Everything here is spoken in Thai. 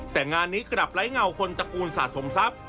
แต่งานนี้กลับไร้เงาคนตระกูลสะสมทรัพย์